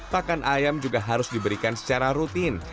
pakan ayam juga harus diberikan secara rutin